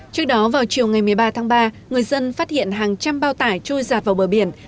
trước đó vào chiều ngày một mươi ba tháng ba người dân phát hiện hàng trăm bao tải trôi giạt vào bờ biển